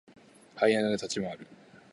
ハイエナで立ち回る。